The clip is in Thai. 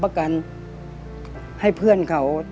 สวัสดีครับ